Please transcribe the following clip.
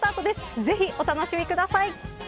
ぜひ、お楽しみください。